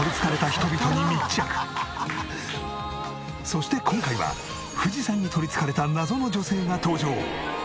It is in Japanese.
そして今回は富士山に取り憑かれた謎の女性が登場。